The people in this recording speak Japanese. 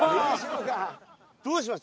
どうします？